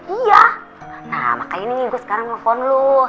iya nah makanya nih gue sekarang mau nelfon lo